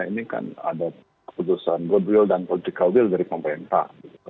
ini kan ada keputusan god will dan political will dari pemerintah